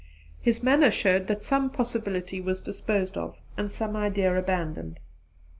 His manner showed that some possibility was disposed of and some idea abandoned.